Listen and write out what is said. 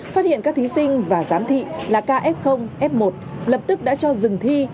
phát hiện các thí sinh và giám thị là kf f một lập tức đã cho dừng thi